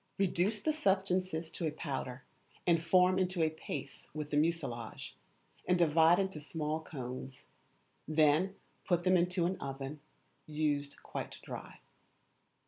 Reduce the substances to a powder, and form into a paste with the mucilage, and divide into small cones; then put them into an oven, used quite dry.